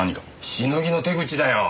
しのぎの手口だよ。